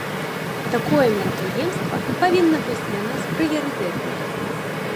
Такое мерапрыемства павінна быць для нас прыярытэтным.